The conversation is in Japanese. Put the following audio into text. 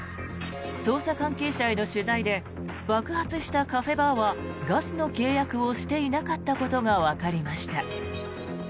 捜査関係者への取材で爆発したカフェバーはガスの契約をしていなかったことがわかりました。